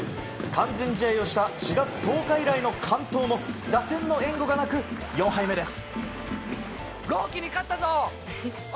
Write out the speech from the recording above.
完全試合をした４月１０日以来の完投も打線の援護がなく４敗目です。